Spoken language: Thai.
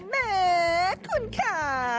แม่คุณค่า